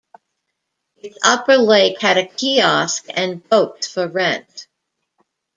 Its upper lake had a kiosk and boats for rent.